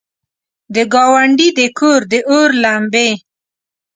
د ګاونډي د کور، داور لمبې!